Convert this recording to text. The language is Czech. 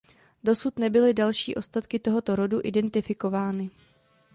Dosud nebyly další ostatky tohoto rodu identifikovány.